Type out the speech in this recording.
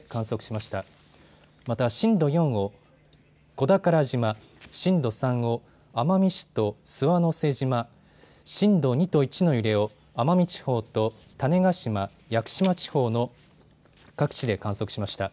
また震度４を小宝島、震度３を奄美市と諏訪之瀬島、震度２と１の揺れを奄美地方と種子島、屋久島地方の各地で観測しました。